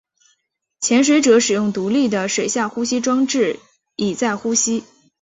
潜水者使用独立的水下呼吸装置以在呼吸。